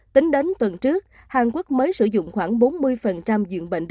tính đến tuần trước hàn quốc mới sử dụng khoảng bốn mươi diện bệnh